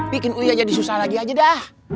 bikin uya jadi susah lagi aja dah